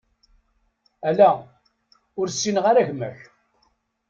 Ala, ur ssineɣ ara gma-k.